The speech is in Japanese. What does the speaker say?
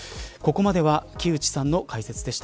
ここまでは木内さんの解説でした。